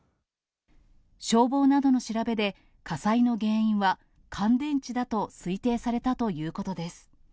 消防などの調べで、火災の原因は、乾電池だと推定されたということです。